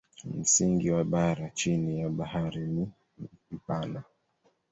Msingi wa bara chini ya bahari ni mpana.